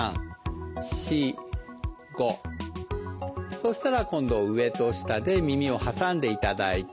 そうしたら今度上と下で耳を挟んでいただいて。